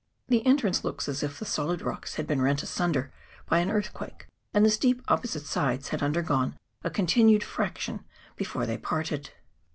The entrance looks as if the solid rocks had been rent asunder by an earthquake, and the steep opposite sides had un dergone a continued friction before they parted.